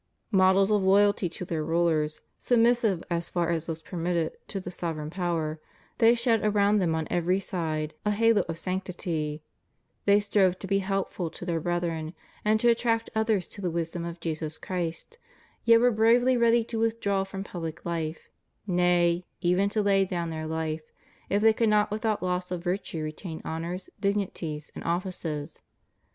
Models of loyalty to their rulers, submissive, so far as was permitted, to the sovereign power, they shed around them on every sida 132 CHRISTIAN CONSTITUTION OF STATES. a halo of sanctity; they strove to be helpful to their brethren, and to attract others to the wisdom of Jesus Christ, yet were bravely ready to withdraw from pubhc life, nay, even to lay down their life, if they could not without loss of virtue retain honors, dignities, and ofHces.